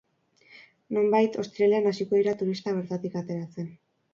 Nonbait, ostiralean hasiko dira turistak bertatik ateratzen.